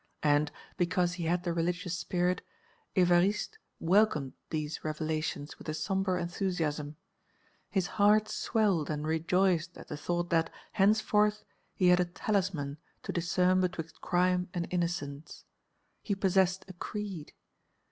And, because he had the religious spirit, Évariste welcomed these revelations with a sombre enthusiasm; his heart swelled and rejoiced at the thought that, henceforth, he had a talisman to discern betwixt crime and innocence, he possessed a creed!